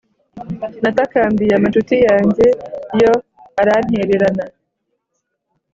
Natakambiye amacuti yanjye, yo arantererana;